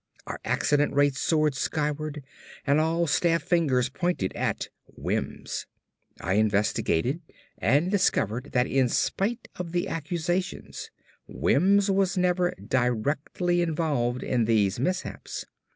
Our accident rate soared skyward and all staff fingers pointed at Wims. I investigated and discovered that in spite of the accusations Wims was never directly involved in these mishaps.